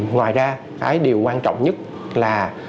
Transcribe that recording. ngoài ra cái điều quan trọng nhất là